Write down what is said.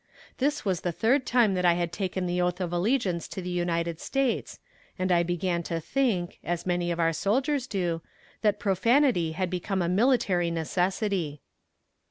This was the third time that I had taken the oath of allegiance to the United States, and I began to think, as many of our soldiers do, that profanity had become a military necessity.